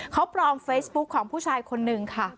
เขาปลอมเฟซบุ๊คของผู้ชายคนนึงค่ะ